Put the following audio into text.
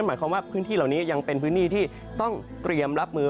หมายความว่าพื้นที่เหล่านี้ยังเป็นพื้นที่ที่ต้องเตรียมรับมือ